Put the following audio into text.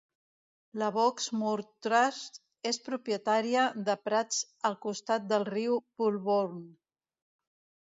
La Box Moor Trust és propietària de prats al costat del riu Bulbourne.